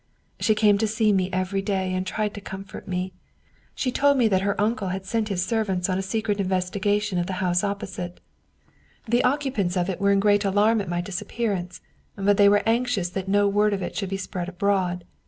She came to see me every day and tried to comfort me. She told me that her uncle had sent his servants on a 106 Wilhclm Hauff secret investigation of the house opposite. The occupants of it were in great alarm at my disappearance, but they were anxious that no word of it should be spread abroad.